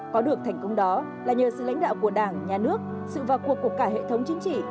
có được thành công đó là nhờ sự lãnh đạo của đảng nhà nước sự vào cuộc của cả hệ thống chính trị